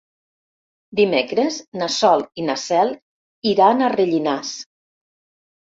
Dimecres na Sol i na Cel iran a Rellinars.